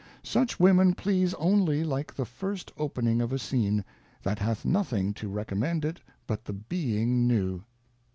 Such Women please only like the first Opening of a Scene, that hath nothing to recom mend it but the being new.